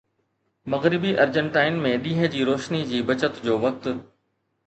مغربي ارجنٽائن ۾ ڏينهن جي روشني جي بچت جو وقت